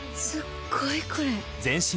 すっごい